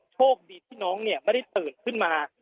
โชคดีที่น้องไม่ได้ตื่นขึ้นมา